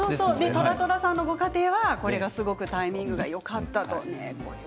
こちらのご家庭ではすごくタイミングがよかったと。